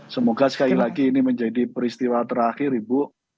semoga sekali lagi ini menjadi peristiwa terakhir ibu